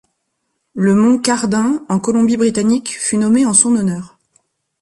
Le mont Cardin en Colombie-Britannique fut nommé en son honneur.